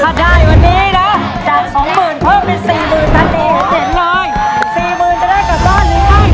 ถ้าได้วันนี้นะจากสองหมื่นเพิ่มเป็นสี่หมื่น